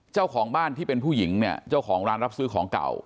เจ้าของบ้านที่เป็นผู้หญิงเนี่ยเจ้าของร้านรับซื้อของเก่า